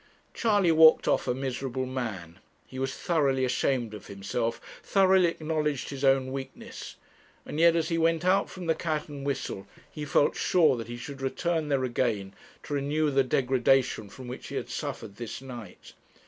Charley walked off a miserable man. He was thoroughly ashamed of himself, thoroughly acknowledged his own weakness; and yet as he went out from the 'Cat and Whistle,' he felt sure that he should return there again to renew the degradation from which he had suffered this night.